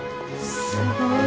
すごい。